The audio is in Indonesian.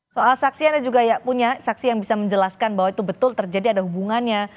soal saksi anda juga punya saksi yang bisa menjelaskan bahwa itu betul terjadi ada hubungannya